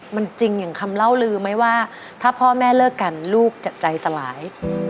มันจริงอย่างคำเล่าลือไหมว่าถ้าพ่อแม่เลิกกันลูกจะใจสลาย